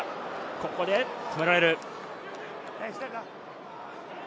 ここで止められる。